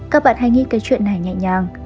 các bạn hãy nghĩ cái chuyện này nhẹ nhàng